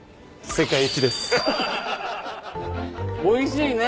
おいしいね。